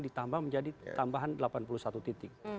ditambah menjadi tambahan delapan puluh satu titik